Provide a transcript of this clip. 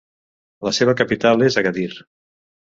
La seva capital és Agadir.